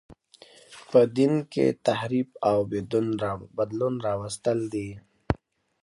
په دین کښي تحریف او بدلون راوستل دي.